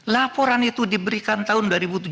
laporan itu diberikan tahun dua ribu tujuh belas